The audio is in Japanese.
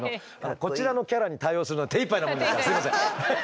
こちらのキャラに対応するのに手いっぱいなもんですからすいません。